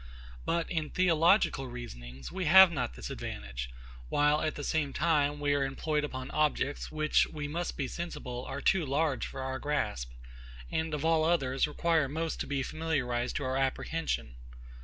But, in theological reasonings, we have not this advantage; while, at the same time, we are employed upon objects, which, we must be sensible, are too large for our grasp, and of all others, require most to be familiarised to our apprehension.